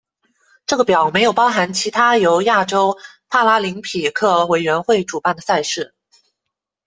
这个表没有包含其他由亚洲帕拉林匹克委员会主办的赛事。